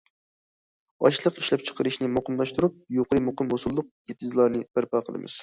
ئاشلىق ئىشلەپچىقىرىشىنى مۇقىملاشتۇرۇپ، يۇقىرى، مۇقىم ھوسۇللۇق ئېتىزلارنى بەرپا قىلىمىز.